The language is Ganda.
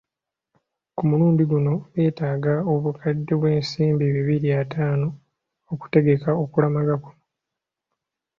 Ku mulundi guno beetaaga obukadde bw’ensimbi bibiri ataano okutegeka okulamaga kuno.